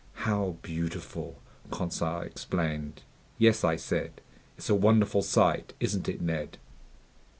"How beautiful!" Conseil exclaimed. "Yes," I said, "it's a wonderful sight! Isn't it, Ned?"